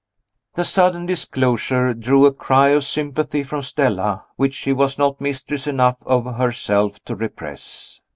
The sudden disclosure drew a cry of sympathy from Stella, which she was not mistress enough of herself to repress.